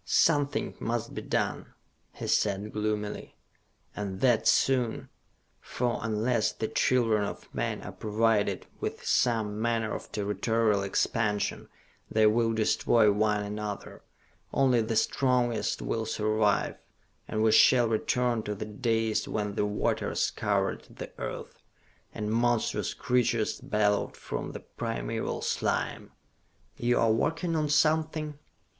"Something must be done," he said gloomily, "and that soon! For, unless the children of men are provided with some manner of territorial expansion, they will destroy one another, only the strongest will survive, and we shall return to the days when the waters covered the earth, and monstrous creatures bellowed from the primeval slime!" "You are working on something?"